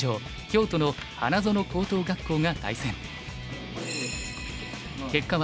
京都の花園高等学校が対戦。